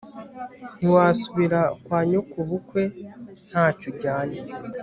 ntiwasubira kwa nyokobukwe nta cyo ujyanye'